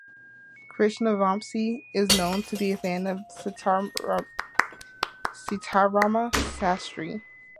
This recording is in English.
Krishna Vamsi is known to be a fan of Sitarama Sastry.